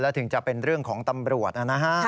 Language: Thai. ถึงจะเป็นเรื่องของตำรวจนะฮะ